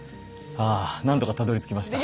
あ何とかたどりつきました。